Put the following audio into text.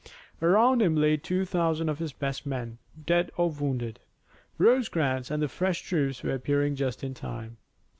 Around him lay two thousand of his best men, dead or wounded. Rosecrans and the fresh troops were appearing just in time.